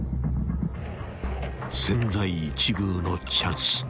［千載一遇のチャンス］